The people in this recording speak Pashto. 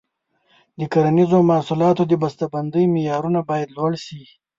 د کرنیزو محصولاتو د بسته بندۍ معیارونه باید لوړ شي.